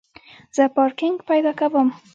زه پارکینګ پیدا کوم